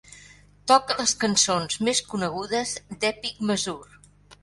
Toca les cançons més conegudes d'Epic Mazur.